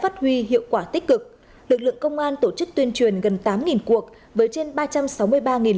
phát huy hiệu quả tích cực lực lượng công an tổ chức tuyên truyền gần tám cuộc với trên ba trăm sáu mươi ba